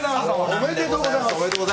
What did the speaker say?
おめでとうございます。